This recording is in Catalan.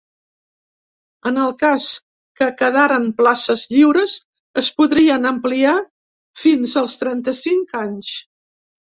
En el cas que quedaren places lliures, es podrien ampliar fins als trenta-cinc anys.